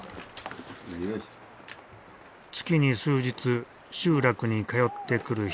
月に数日集落に通ってくる人がいる。